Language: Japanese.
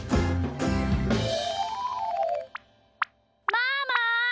ママ！